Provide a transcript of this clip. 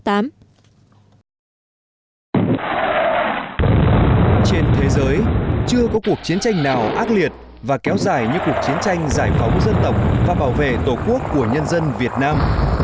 trên thế giới chưa có cuộc chiến tranh nào ác liệt và kéo dài như cuộc chiến tranh giải phóng dân tộc và bảo vệ tổ quốc của nhân dân việt nam